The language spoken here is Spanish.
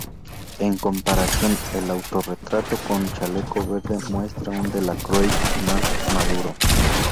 En comparación, el autorretrato con chaleco verde muestra un Delacroix más maduro.